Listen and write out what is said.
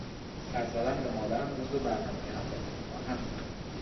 سر زدن به مادرم جزو برنامهی اولیهی ما نبود.